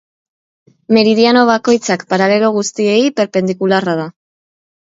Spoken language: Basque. Meridiano bakoitzak paralelo guztiei perpendikularra da.